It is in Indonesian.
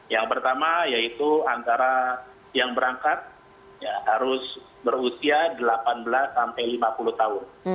yang pertama yaitu antara yang berangkat harus berusia delapan belas sampai lima puluh tahun